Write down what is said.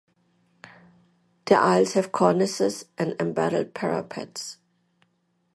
The aisles have cornices and embattled parapets.